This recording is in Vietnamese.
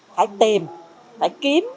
phải tìm phải kiếm